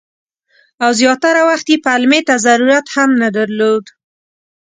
او زیاتره وخت یې پلمې ته ضرورت هم نه درلود.